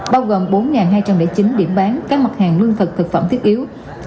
bao gồm bốn hai trăm linh chín điểm bán các mặt hàng lương thực thực phẩm thiết yếu